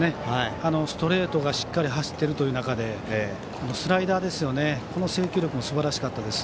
ストレートがしっかり走っている中でスライダーの制球力もすばらしかったです。